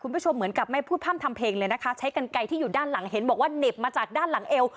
คุณผู้ชมเหมือนกับไม่พูดพร่ำทำเพลงเลยนะคะใช้กันไกลที่อยู่ด้านหลังเห็นบอกว่าเหน็บมาจากด้านหลังเอว